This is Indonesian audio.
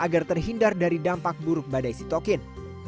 agar terhindar dari dampak buruk badai sitokin